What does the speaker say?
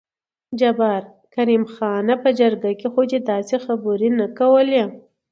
جبار: کريم خانه په جرګه کې خو دې داسې خبرې نه کوې.